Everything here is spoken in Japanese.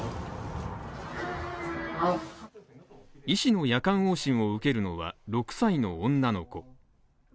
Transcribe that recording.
医師の夜間往診を受けるのは６歳の女の子。